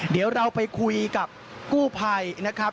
เดี๋ยวเราไปคุยกับกู้ภัยนะครับ